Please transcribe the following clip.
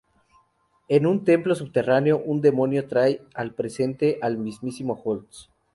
En un templo subterráneo un demonio trae al presente al mismísimo Holtz.